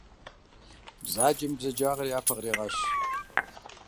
Бзаджэм и бзаджагъэр япэ кърегъэщ.